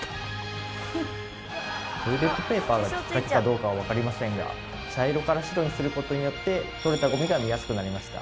トイレットペーパーがキッカケかどうかはわかりませんが茶色から白にすることによって取れたゴミが見やすくなりました。